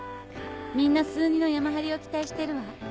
みんな数の山ハリを期待してるわ。